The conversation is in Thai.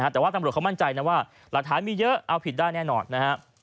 แต่ว่าตำรวจเขามั่นใจนะว่าหลักฐานมีเยอะเอาผิดได้แน่นอนนะครับ